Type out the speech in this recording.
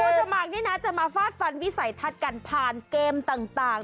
สมัครนี่นะจะมาฟาดฟันวิสัยทัศน์กันผ่านเกมต่าง